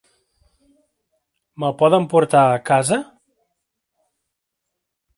Me'l poden portar a casa?